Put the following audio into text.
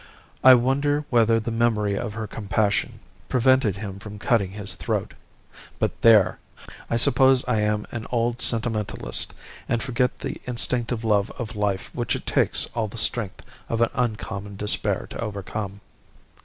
I wonder whether the memory of her compassion prevented him from cutting his throat. But there! I suppose I am an old sentimentalist, and forget the instinctive love of life which it takes all the strength of an uncommon despair to overcome.